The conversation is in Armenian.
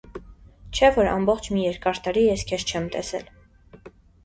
չէ՞ որ ամբողջ մի երկար տարի ես քեզ չեմ տեսել: